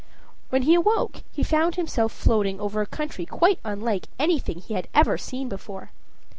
When he awoke, he found himself floating over a country quite unlike anything he had ever seen before.